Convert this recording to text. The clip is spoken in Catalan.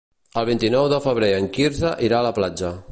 El vint-i-nou de febrer en Quirze irà a la platja.